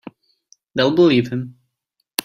They'll believe him.